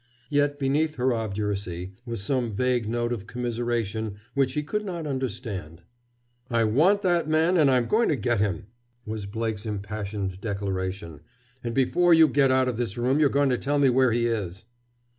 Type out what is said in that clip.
Yet beneath her obduracy was some vague note of commiseration which he could not understand. "I want that man, and I'm going to get him," was Blake's impassioned declaration. "And before you get out of this room you're going to tell me where he is!"